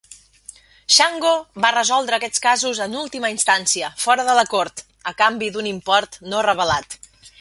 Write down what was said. Xango va resoldre aquests casos en última instància, fora de la cort, a canvi d'un import no revelat.